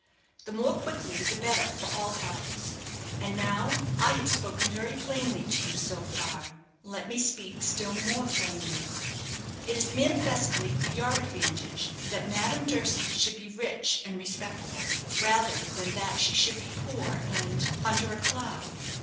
The more quickly the better for all parties. And now, I have spoken very plainly to you so far, let me speak still more plainly. It is manifestly for your advantage that Madame Durski should be rich and respectable, rather than that she should be poor and under a cloud.